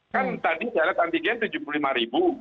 kan tadi syarat antigen tujuh puluh lima ribu